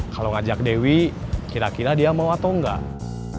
kalau ngajak dewi kira kira dia mau atau enggak